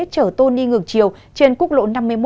chở tô đi ngược chiều trên quốc lộ năm mươi một